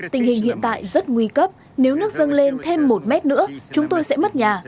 tình hình hiện tại rất nguy cấp nếu nước dâng lên thêm một mét nữa chúng tôi sẽ mất nhà